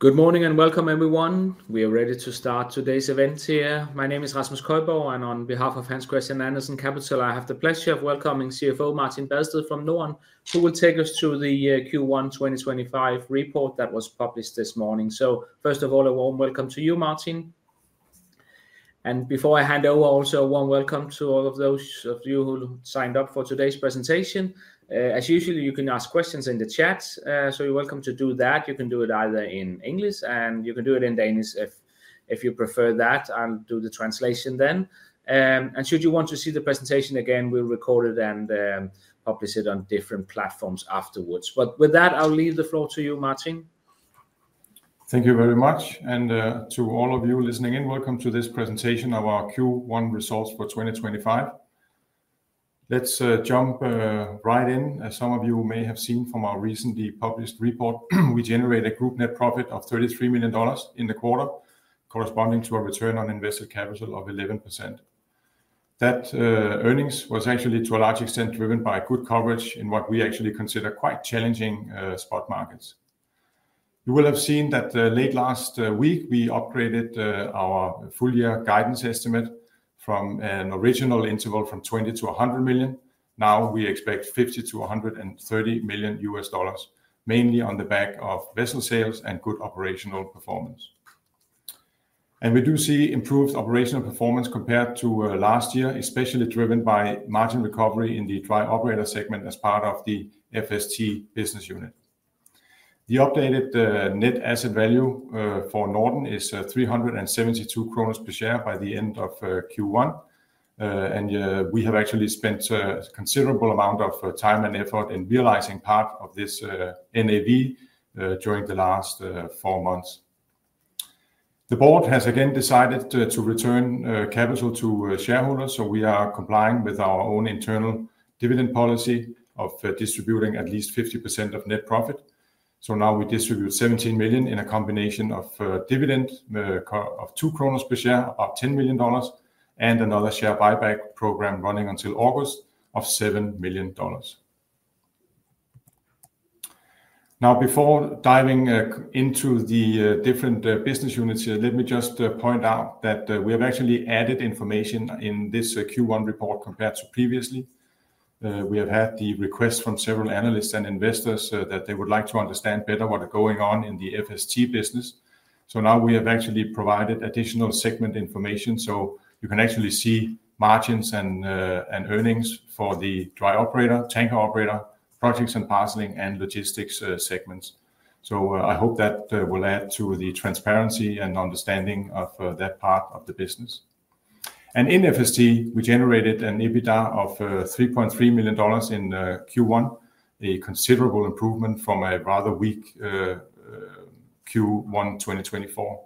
Good morning and welcome, everyone. We are ready to start today's event here. My name is Rasmus Køjborg, and on behalf of Hans Christian Andersen Capital, I have the pleasure of welcoming CFO Martin Badsted from Norden, who will take us to the Q1 2025 report that was published this morning. First of all, a warm welcome to you, Martin. Before I hand over, also a warm welcome to all of those of you who signed up for today's presentation. As usual, you can ask questions in the chat, so you're welcome to do that. You can do it either in English, and you can do it in Danish if you prefer that. I'll do the translation then. Should you want to see the presentation again, we'll record it and publish it on different platforms afterwards. With that, I'll leave the floor to you, Martin. Thank you very much, and to all of you listening in, welcome to this presentation, our Q1 results for 2025. Let's jump right in. As some of you may have seen from our recently published report, we generated a group net profit of $33 million in the quarter, corresponding to a return on invested capital of 11%. That earnings was actually, to a large extent, driven by good coverage in what we actually consider quite challenging spot markets. You will have seen that late last week we upgraded our full-year guidance estimate from an original interval from $20-$100 million. Now we expect $50-$130 million US dollars, mainly on the back of vessel sales and good operational performance. We do see improved operational performance compared to last year, especially driven by margin recovery in the Dry Operator segment as part of the FST business unit. The updated net asset value for Norden is EUR 372 per share by the end of Q1, and we have actually spent a considerable amount of time and effort in realizing part of this NAV during the last four months. The board has again decided to return capital to shareholders, so we are complying with our own internal dividend policy of distributing at least 50% of net profit. Now we distribute 17 million in a combination of dividend of EUR 2 per share of $10 million and another share buyback program running until August of $7 million. Before diving into the different business units, let me just point out that we have actually added information in this Q1 report compared to previously. We have had the request from several analysts and investors that they would like to understand better what is going on in the FST business. We have actually provided additional segment information, so you can actually see margins and earnings for the Dry Operator, Tanker Operator, Projects & Parceling, and Logistics segments. I hope that will add to the transparency and understanding of that part of the business. In FST, we generated an EBITDA of $3.3 million in Q1, a considerable improvement from a rather weak Q1 2024.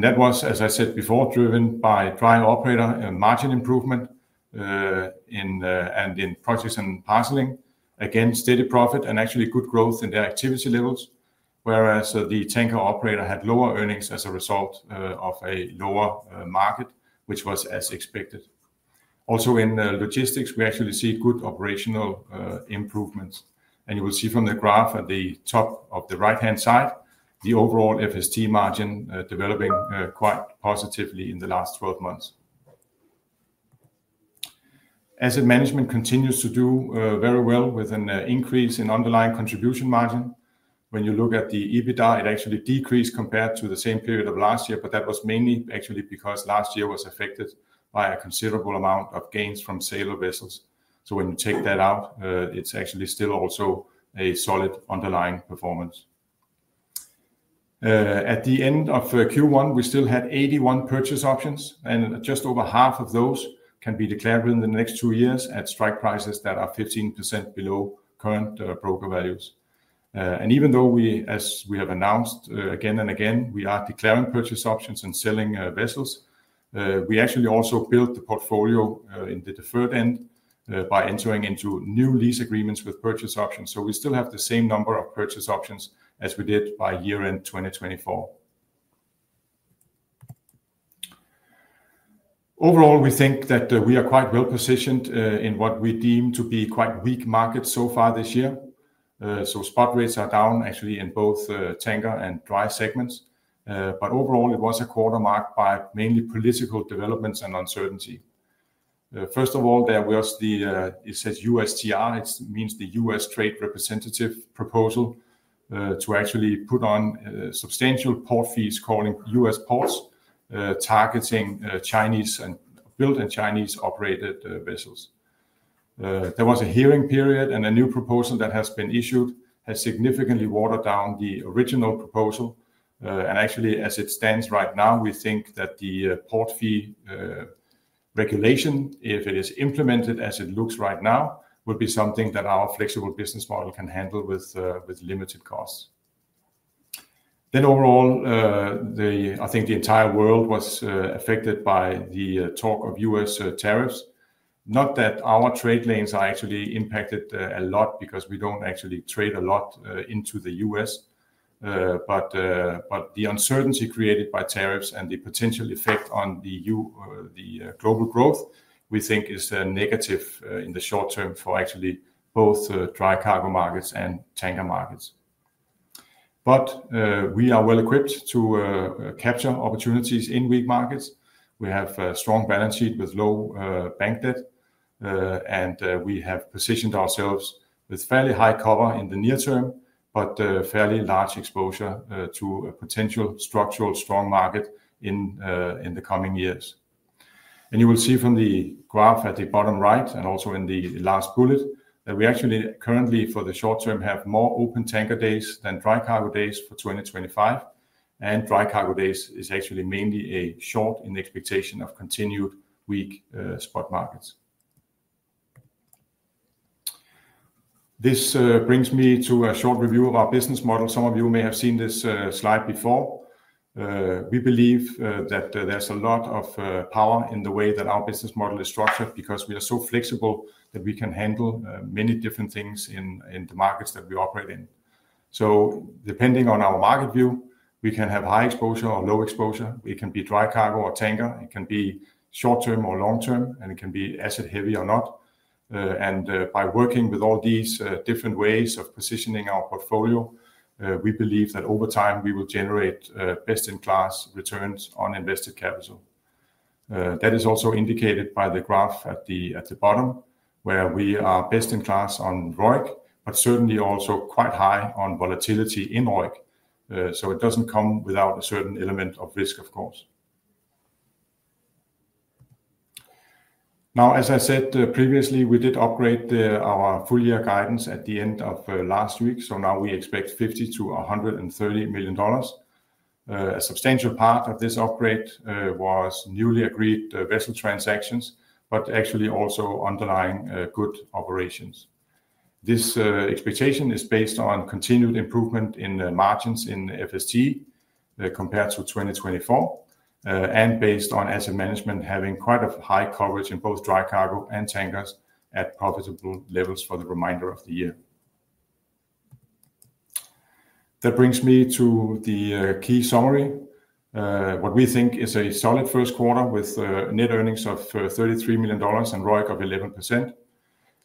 That was, as I said before, driven by Dry Operator margin improvement and in Projects & Parceling, again, steady profit and actually good growth in their activity levels, whereas the Tanker Operator had lower earnings as a result of a lower market, which was as expected. Also, in Logistics, we actually see good operational improvements. You will see from the graph at the top of the right-hand side, the overall FST margin developing quite positively in the last 12 months. Asset Management continues to do very well with an increase in underlying contribution margin. When you look at the EBITDA, it actually decreased compared to the same period of last year, but that was mainly actually because last year was affected by a considerable amount of gains from sale of vessels. When you take that out, it's actually still also a solid underlying performance. At the end of Q1, we still had 81 purchase options, and just over half of those can be declared within the next two years at strike prices that are 15% below current broker values. Even though we, as we have announced again and again, we are declaring purchase options and selling vessels, we actually also built the portfolio in the deferred end by entering into new lease agreements with purchase options. We still have the same number of purchase options as we did by year-end 2024. Overall, we think that we are quite well positioned in what we deem to be quite weak markets so far this year. Spot rates are down actually in both tanker and dry segments, but overall, it was a quarter marked by mainly political developments and uncertainty. First of all, there was the, it says USTR, it means the U.S. Trade Representative proposal to actually put on substantial port fees calling U.S. ports, targeting Chinese-built and Chinese-operated vessels. There was a hearing period, and a new proposal that has been issued has significantly watered down the original proposal. As it stands right now, we think that the port fee regulation, if it is implemented as it looks right now, would be something that our flexible business model can handle with limited costs. Overall, I think the entire world was affected by the talk of U.S. tariffs. Not that our trade lanes are actually impacted a lot because we do not actually trade a lot into the U.S., but the uncertainty created by tariffs and the potential effect on the global growth, we think, is negative in the short term for actually both dry cargo markets and tanker markets. We are well equipped to capture opportunities in weak markets. We have a strong balance sheet with low bank debt, and we have positioned ourselves with fairly high cover in the near term, but fairly large exposure to a potential structural strong market in the coming years. You will see from the graph at the bottom right and also in the last bullet that we actually currently for the short term have more open tanker days than dry cargo days for 2025. Dry cargo days is actually mainly a short in expectation of continued weak spot markets. This brings me to a short review of our business model. Some of you may have seen this slide before. We believe that there is a lot of power in the way that our business model is structured because we are so flexible that we can handle many different things in the markets that we operate in. Depending on our market view, we can have high exposure or low exposure. It can be dry cargo or tanker. It can be short term or long term, and it can be asset heavy or not. By working with all these different ways of positioning our portfolio, we believe that over time we will generate best-in-class returns on invested capital. That is also indicated by the graph at the bottom, where we are best in class on ROIC, but certainly also quite high on volatility in ROIC. It does not come without a certain element of risk, of course. As I said previously, we did upgrade our full-year guidance at the end of last week. Now we expect $50-$130 million. A substantial part of this upgrade was newly agreed vessel transactions, but actually also underlying good operations. This expectation is based on continued improvement in margins in FST compared to 2024 and based on asset management having quite a high coverage in both dry cargo and tankers at profitable levels for the remainder of the year. That brings me to the key summary. What we think is a solid Q1 with net earnings of $33 million and ROIC of 11%.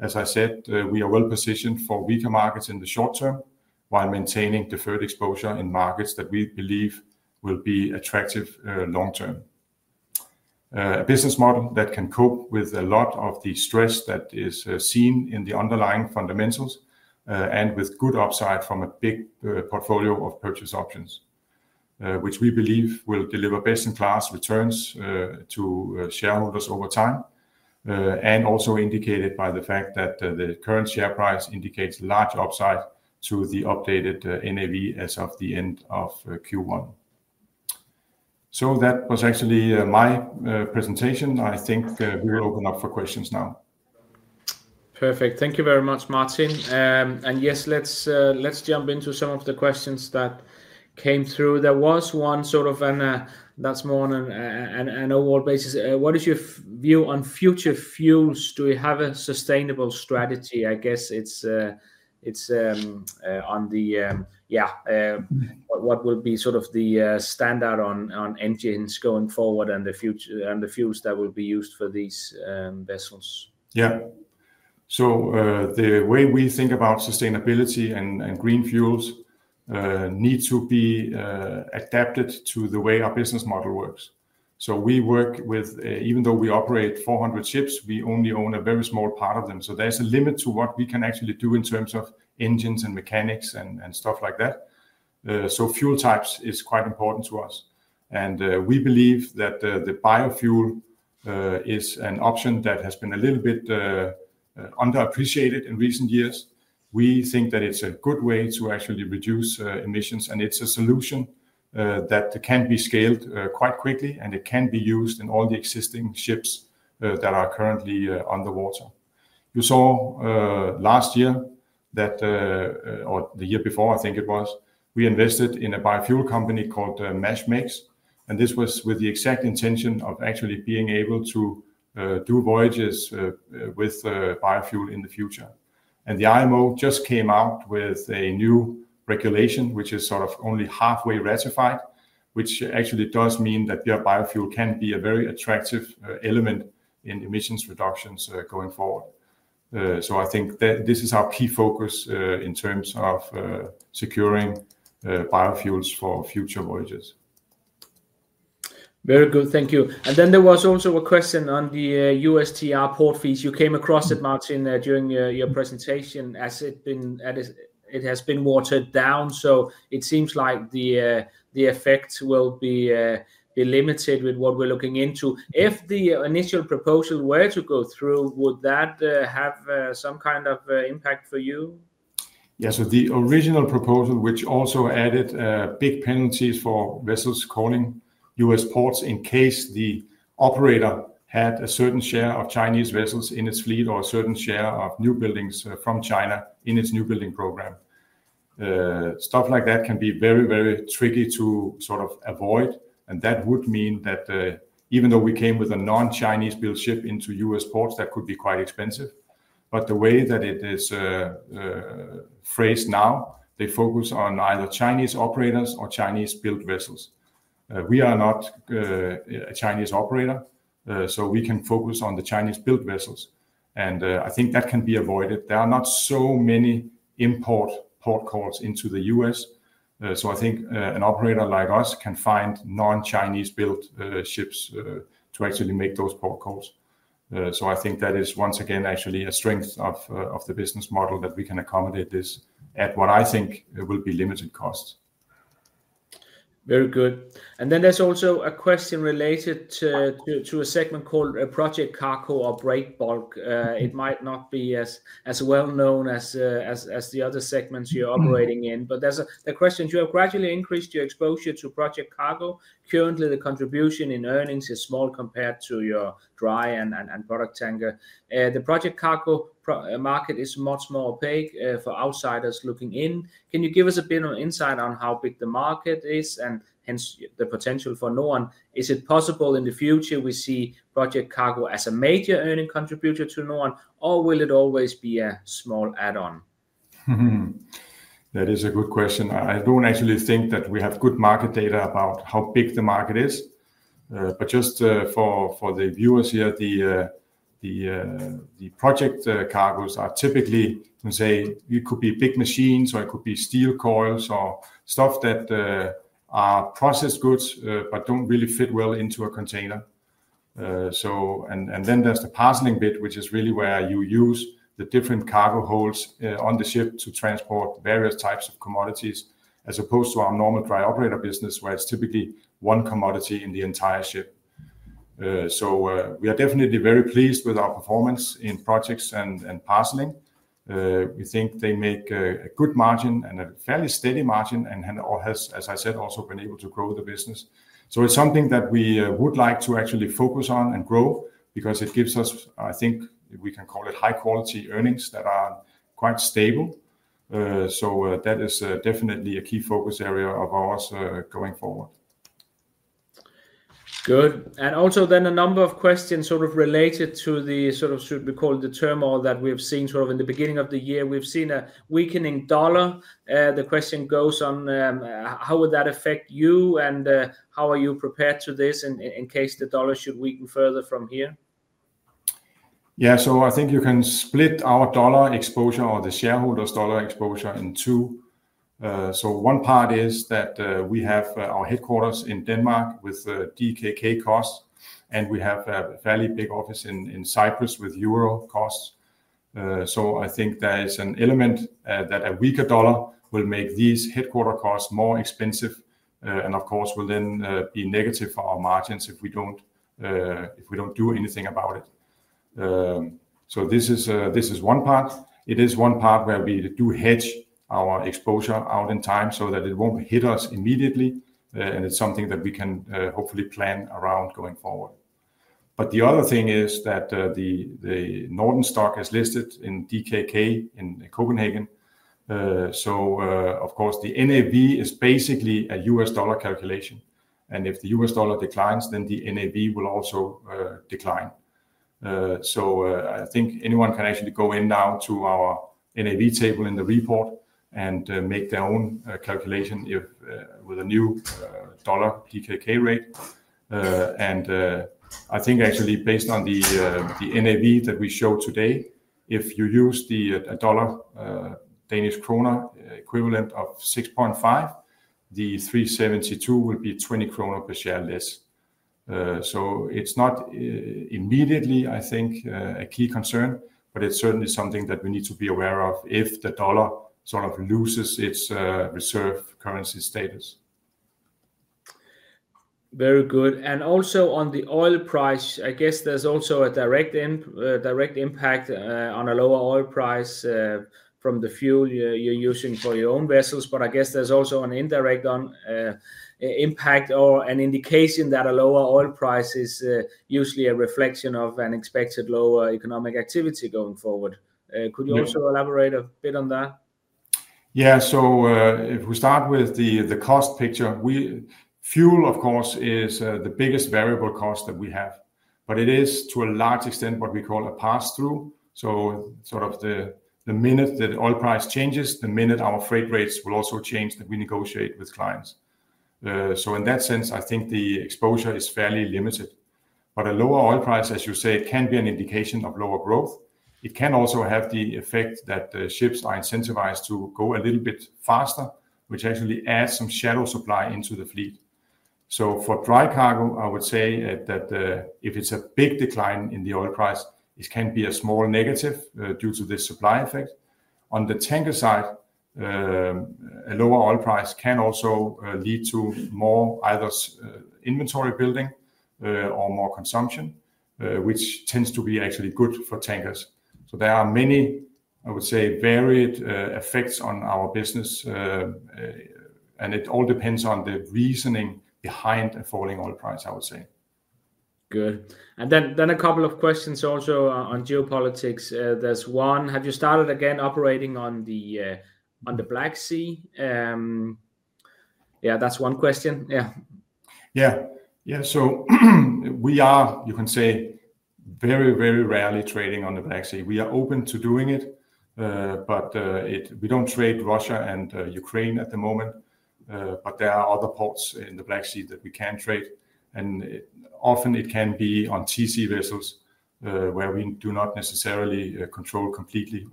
As I said, we are well positioned for weaker markets in the short term while maintaining deferred exposure in markets that we believe will be attractive long term. A business model that can cope with a lot of the stress that is seen in the underlying fundamentals and with good upside from a big portfolio of purchase options, which we believe will deliver best-in-class returns to shareholders over time, and also indicated by the fact that the current share price indicates large upside to the updated NAV as of the end of Q1. That was actually my presentation. I think we will open up for questions now. Perfect. Thank you very much, Martin. Yes, let's jump into some of the questions that came through. There was one sort of on a, that's more on an overall basis. What is your view on future fuels? Do we have a sustainable strategy? I guess it's on the, yeah, what will be sort of the standard on engines going forward and the fuels that will be used for these vessels. Yeah. The way we think about sustainability and green fuels needs to be adapted to the way our business model works. We work with, even though we operate 400 ships, we only own a very small part of them. There is a limit to what we can actually do in terms of engines and mechanics and stuff like that. Fuel types is quite important to us. We believe that the biofuel is an option that has been a little bit underappreciated in recent years. We think that it is a good way to actually reduce emissions, and it is a solution that can be scaled quite quickly, and it can be used in all the existing ships that are currently underwater. You saw last year that, or the year before, I think it was, we invested in a biofuel company called MASH Makes, and this was with the exact intention of actually being able to do voyages with biofuel in the future. The IMO just came out with a new it has been watered down. It seems like the effect will be limited with what we're looking into. If the initial proposal were to go through, would that have some kind of impact for you? Yes. The original proposal, which also added big penalties for vessels calling U.S. ports in case the operator had a certain share of Chinese vessels in its fleet or a certain share of new buildings from China in its new building program, stuff like that can be very, very tricky to sort of avoid. That would mean that even though we came with a non-Chinese-built ship into U.S. ports, that could be quite expensive. The way that it is phrased now, they focus on either Chinese operators or Chinese-built vessels. We are not a Chinese operator, so we can focus on the Chinese-built vessels. I think that can be avoided. There are not so many import port calls into the U.S. I think an operator like us can find non-Chinese-built ships to actually make those port calls.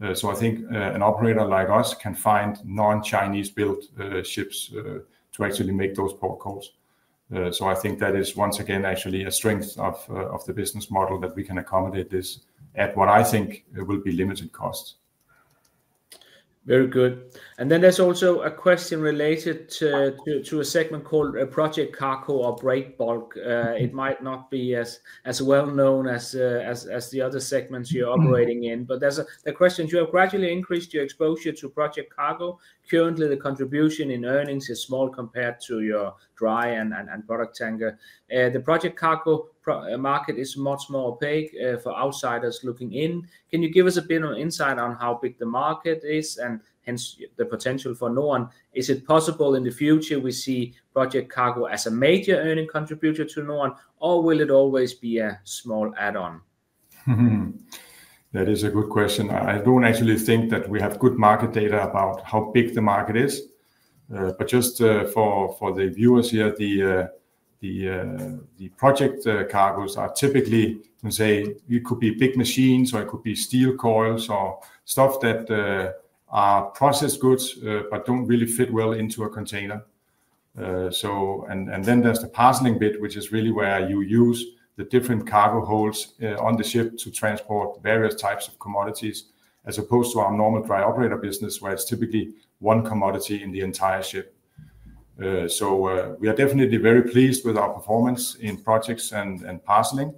I think that is once again actually a strength of the business model that we can accommodate this at what I think will be limited costs. Very good. There is also a question related to a segment called Project Cargo or Break Bulk. It might not be as well known as the other segments you're operating in, but there's a question. You have gradually increased your exposure to Project Cargo. Currently, the contribution in earnings is small compared to your dry and product tanker. The Project Cargo market is much more opaque for outsiders looking in. Can you give us a bit of insight on how big the market is and hence the potential for Norden? Is it possible in the future we see Project Cargo as a major earning contributor to Norden, or will it always be a small add-on? That is a good question. I don't actually think that we have good market data about how big the market is. Just for the viewers here, the Project Cargoes are typically, let's say, it could be big machines or it could be steel coils or stuff that are processed goods, but don't really fit well into a container. There is the parceling bit, which is really where you use the different cargo holds on the ship to transport various types of commodities as opposed to our normal Dry Operator business, where it's typically one commodity in the entire ship. We are definitely very pleased with our performance in Projects & Parceling.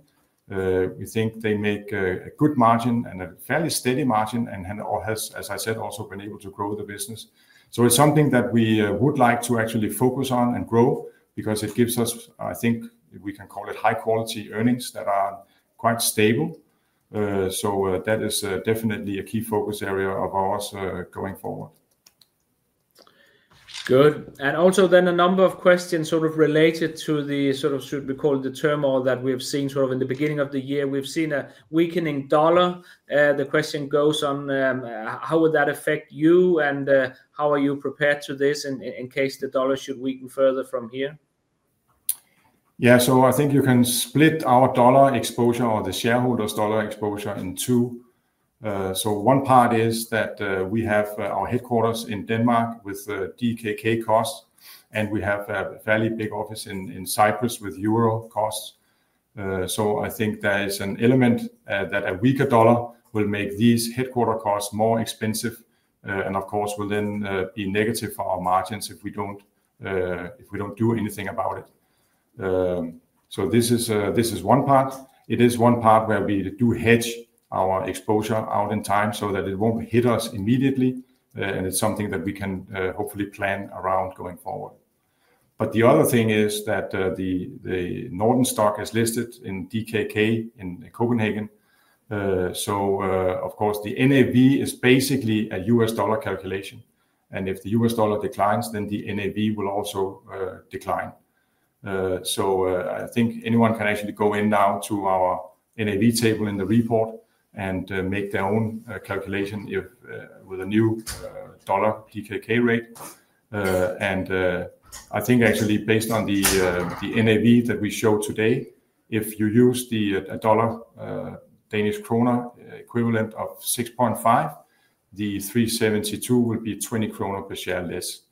We think they make a good margin and a fairly steady margin and have all, as I said, also been able to grow the business. It is something that we would like to actually focus on and grow because it gives us, I think we can call it high-quality earnings that are quite stable. That is definitely a key focus area of ours going forward. Good. Also, a number of questions sort of related to the sort of, should we call it the turmoil that we have seen sort of in the beginning of the year. We have seen a weakening dollar. The question goes on how would that affect you and how are you prepared to this in case the dollar should weaken further from here? Yeah. I think you can split our dollar exposure or the shareholders' dollar exposure in two. One part is that we have our headquarters in Denmark with DKK costs, and we have a fairly big office in Cyprus with euro costs. I think there is an element that a weaker dollar will make these headquarter costs more expensive and, of course, will then be negative for our margins if we do not do anything about it. This is one part. It is one part where we do hedge our exposure out in time so that it will not hit us immediately. It is something that we can hopefully plan around going forward. The other thing is that the Norden stock is listed in DKK in Copenhagen. Of course, the NAV is basically a US dollar calculation. If the US dollar declines, then the NAV will also decline. I think anyone can actually go in now to our NAV table in the report and make their own calculation with a new dollar DKK rate. I think actually based on the NAV that we showed today, if you use the dollar Danish krone equivalent of 6.5, the 372 will be 20 kroner per share less.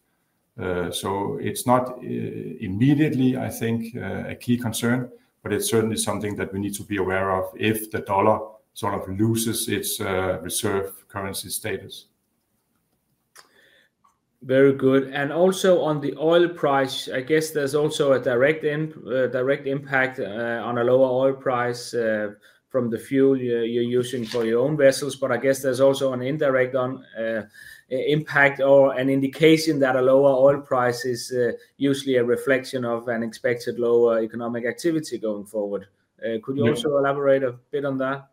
It is not immediately, I think, a key concern, but it is certainly something that we need to be aware of if the dollar sort of loses its reserve currency status. Very good. Also on the oil price, I guess there is also a direct impact on a lower oil price from the fuel you are using for your own vessels. I guess there is also an indirect impact or an indication that a lower oil price is usually a reflection of an expected lower economic activity going forward. Could you also elaborate a bit on that?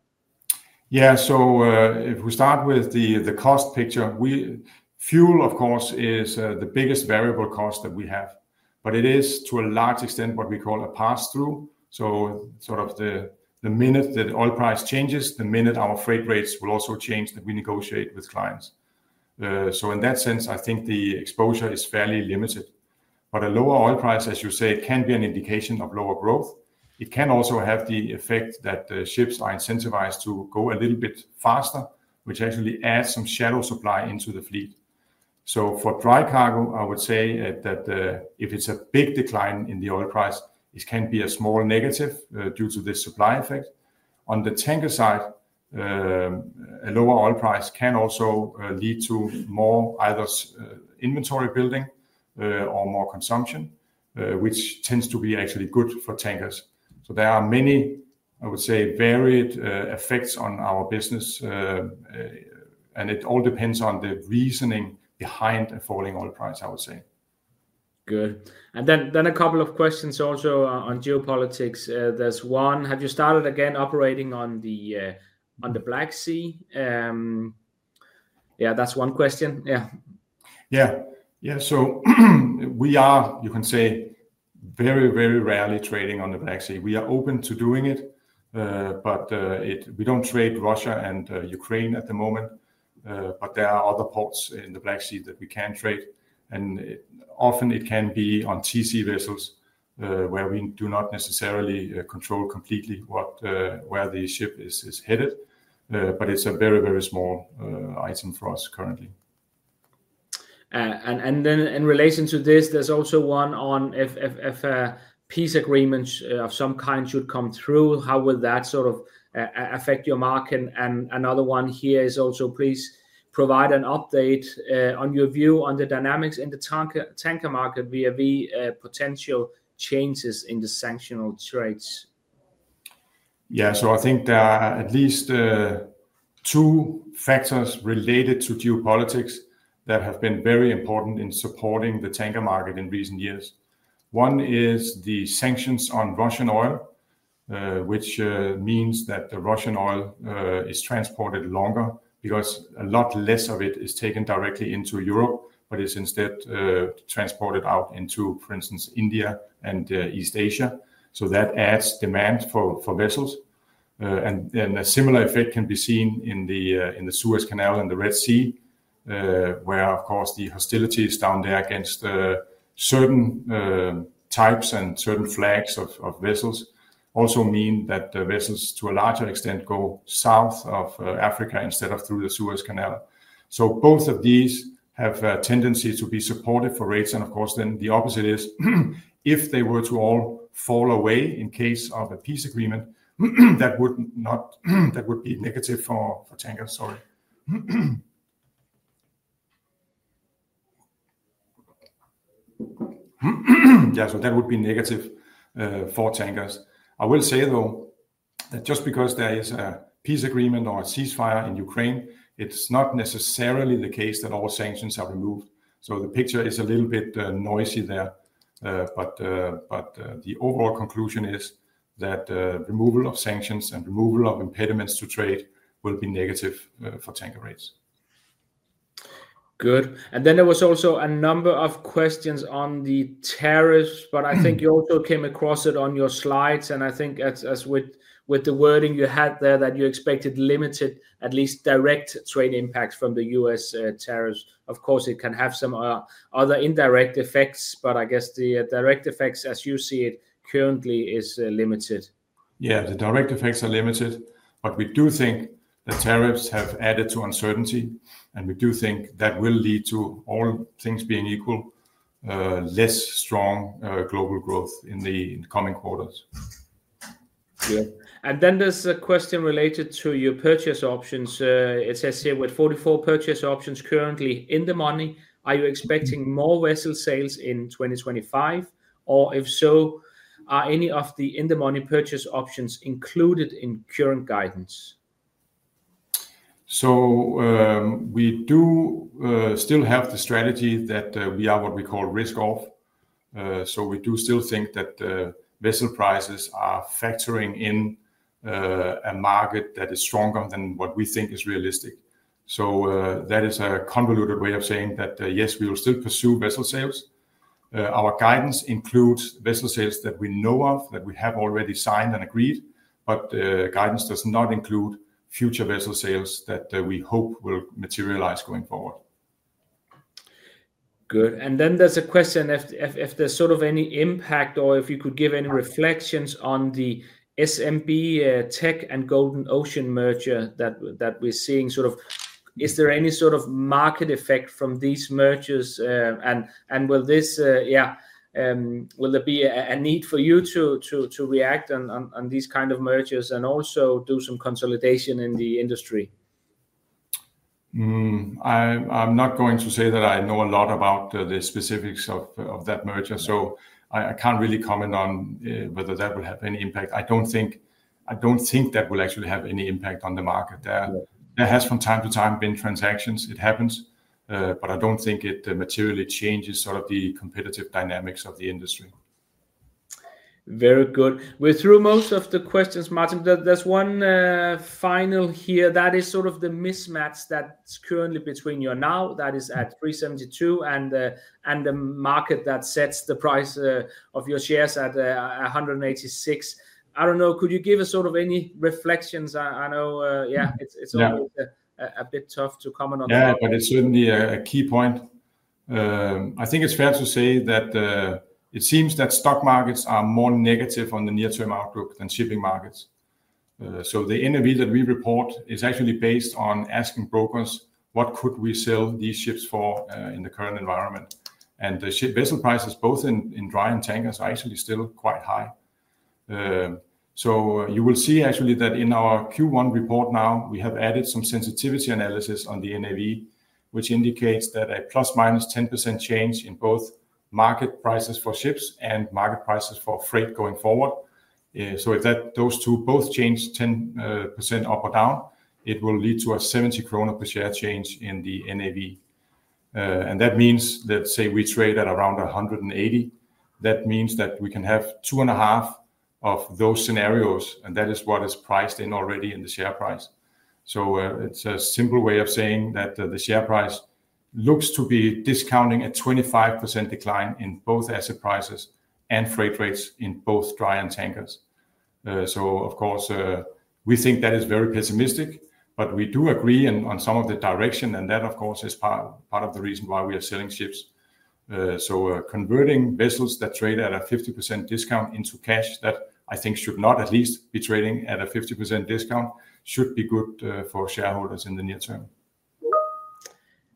Yeah. If we start with the cost picture, fuel, of course, is the biggest variable cost that we have, but it is to a large extent what we call a pass-through. Sort of the minute that oil price changes, the minute our freight rates will also change that we negotiate with clients. In that sense, I think the exposure is fairly limited. A lower oil price, as you say, can be an indication of lower growth. It can also have the effect that ships are incentivized to go a little bit faster, which actually adds some shadow supply into the fleet. For dry cargo, I would say that if it is a big decline in the oil price, it can be a small negative due to this supply effect. On the tanker side, a lower oil price can also lead to more either inventory building or more consumption, which tends to be actually good for tankers. There are many, I would say, varied effects on our business. It all depends on the reasoning behind a falling oil price, I would say. Good. A couple of questions also on geopolitics. There is one, have you started again operating on the Black Sea? Yeah, that is one question. Yeah. Yeah. Yeah. We are, you can say, very, very rarely trading on the Black Sea. We are open to doing it, but we do not trade Russia and Ukraine at the moment. There are other ports in the Black Sea that we can trade. Often it can be on TC vessels where we do not necessarily control completely where the ship is headed. It is a very, very small item for us currently. In relation to this, there is also one on if peace agreements of some kind should come through, how would that sort of affect your market? Another one here is also, please provide an update on your view on the dynamics in the tanker market via the potential changes in the sanctional trades. Yeah. I think there are at least two factors related to geopolitics that have been very important in supporting the tanker market in recent years. One is the sanctions on Russian oil, which means that the Russian oil is transported longer because a lot less of it is taken directly into Europe, but it is instead transported out into, for instance, India and East Asia. That adds demand for vessels. A similar effect can be seen in the Suez Canal and the Red Sea, where, of course, the hostilities down there against certain types and certain flags of vessels also mean that the vessels, to a larger extent, go south of Africa instead of through the Suez Canal. Both of these have a tendency to be supportive for rates. Of course, the opposite is, if they were to all fall away in case of a peace agreement, that would be negative for tankers. Sorry. Yeah. That would be negative for tankers. I will say, though, that just because there is a peace agreement or a ceasefire in Ukraine, it is not necessarily the case that all sanctions are removed. The picture is a little bit noisy there. The overall conclusion is that removal of sanctions and removal of impediments to trade will be negative for tanker rates. Good. There was also a number of questions on the tariffs, but I think you also came across it on your slides. I think as with the wording you had there that you expected limited, at least direct trade impacts from the U.S. tariffs. Of course, it can have some other indirect effects, but I guess the direct effects, as you see it currently, is limited. Yeah. The direct effects are limited, but we do think the tariffs have added to uncertainty. We do think that will lead to, all things being equal, less strong global growth in the coming quarters. Good. There is a question related to your purchase options. It says here with 44 purchase options currently in the money, are you expecting more vessel sales in 2025? If so, are any of the in-the-money purchase options included in current guidance? We do still have the strategy that we are what we call risk-off. We do still think that vessel prices are factoring in a market that is stronger than what we think is realistic. That is a convoluted way of saying that yes, we will still pursue vessel sales. Our guidance includes vessel sales that we know of, that we have already signed and agreed. Guidance does not include future vessel sales that we hope will materialize going forward. Good. There is a question if there is sort of any impact or if you could give any reflections on the SMB Tech and Golden Ocean merger that we are seeing. Is there any sort of market effect from these mergers? Will this, yeah, will there be a need for you to react on these kind of mergers and also do some consolidation in the industry? I'm not going to say that I know a lot about the specifics of that merger. I can't really comment on whether that will have any impact. I don't think that will actually have any impact on the market there. There has from time to time been transactions. It happens. I don't think it materially changes sort of the competitive dynamics of the industry. Very good. We're through most of the questions, Martin. There's one final here that is sort of the mismatch that's currently between your NAV that is at 372 and the market that sets the price of your shares at 186. I don't know, could you give us sort of any reflections? I know, yeah, it's always a bit tough to comment on that. Yeah, but it's certainly a key point. I think it's fair to say that it seems that stock markets are more negative on the near-term outlook than shipping markets. The NAV that we report is actually based on asking brokers what could we sell these ships for in the current environment. The ship vessel prices, both in dry and tankers, are actually still quite high. You will see actually that in our Q1 report now, we have added some sensitivity analysis on the NAV, which indicates that a plus minus 10% change in both market prices for ships and market prices for freight going forward. If those two both change 10% up or down, it will lead to a 70 krone per share change in the NAV. That means that, say, we trade at around 180. That means that we can have two and a half of those scenarios, and that is what is priced in already in the share price. It is a simple way of saying that the share price looks to be discounting a 25% decline in both asset prices and freight rates in both dry and tankers. Of course, we think that is very pessimistic, but we do agree on some of the direction. That, of course, is part of the reason why we are selling ships. Converting vessels that trade at a 50% discount into cash that I think should not at least be trading at a 50% discount should be good for shareholders in the near term.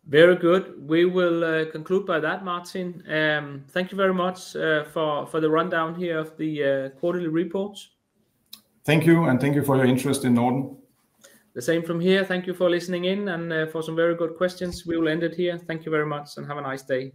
Very good. We will conclude by that, Martin. Thank you very much for the rundown here of the quarterly reports. Thank you. Thank you for your interest in Norden. The same from here. Thank you for listening in and for some very good questions. We will end it here. Thank you very much and have a nice day.